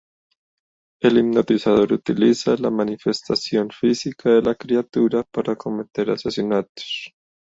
El hipnotizador utiliza la manifestación física de la criatura para cometer asesinatos.